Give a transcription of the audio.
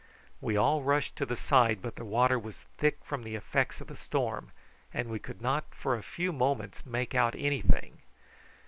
We all rushed to the side, but the water was thick from the effects of the storm, and we could not for a few moments make out anything.